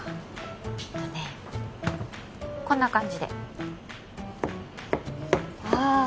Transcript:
えっとねこんな感じでああ